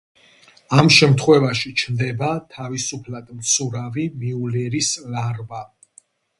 ამ შემთხვევაში ჩნდება თავისუფლად მცურავი მიულერის ლარვა.